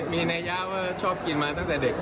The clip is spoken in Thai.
มีนัยยะว่าชอบกินมาตั้งแต่เด็ก